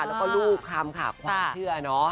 แล้วก็ลูกคั้นค่ะความเชื่อน้อง